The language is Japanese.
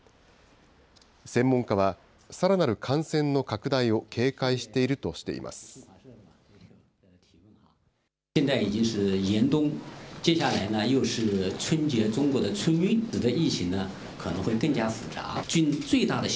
専門家は、さらなる感染の拡大を警戒しているとしています。